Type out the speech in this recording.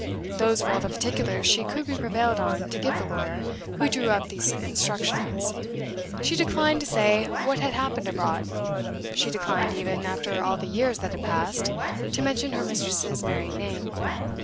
Those were all the particulars she could be prevailed on to give the lawyer who drew up these instructions. She declined to say what had happened abroad; she declined even, after all the years that had passed, to mention her mistress's married name.